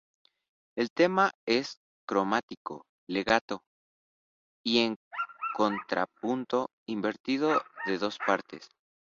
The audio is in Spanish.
El tema es cromático, "legato" y en contrapunto invertido de dos partes.